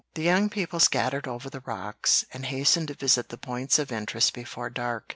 The young people scattered over the rocks, and hastened to visit the points of interest before dark.